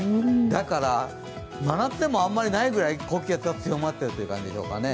だから真夏でもあんまりないぐらい高気圧が強まっているという感じでしょうかね。